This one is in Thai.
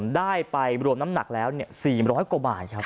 ได้ไปรวมน้ำหนักแล้ว๔๐๐กว่าบาทครับ